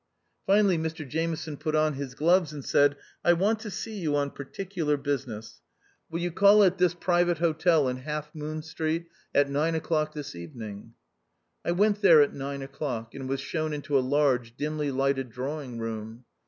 Finally, Mr Jameson put on his gloves, and said, " I want to see you on particular business ; will you call at 's Private Hotel in Half Moon Street, at nine o'clock this evening." I went there at nine o'clock, and was shown into a large, dimly lighted drawing room.